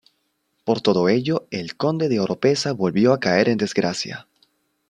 Por todo ello, el conde de Oropesa volvió a caer en desgracia.